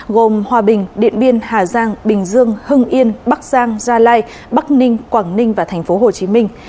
gồm hòa bình điện biên hà giang bình dương hưng yên bắc giang gia lai bắc ninh quảng ninh và thành phố hồ chí minh